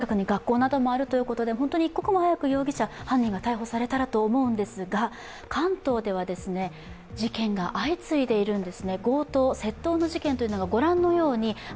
この近くに学校などもあるということで本当に一刻も早く容疑者、犯人が逮捕されたらと思うんですが、関東では事件が相次いでいるんです。